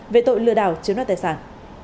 về tội lừa đảo chiếm đoạt tài sản